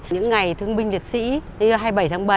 những ngày thương binh liệt sĩ hai mươi bảy tháng bảy